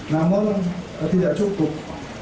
namun tidak cukup